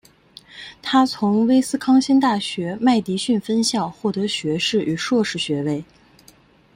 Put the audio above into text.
他从威斯康辛大学麦迪逊分校获得学士与硕士学位。